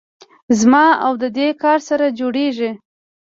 زما او د دې کله سره جوړېږي.